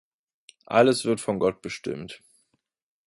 Alles wird von Gott bestimmt.